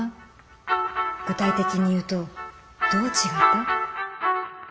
具体的に言うとどう違った？